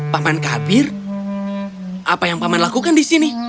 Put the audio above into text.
paman kabir apa yang paman lakukan di sini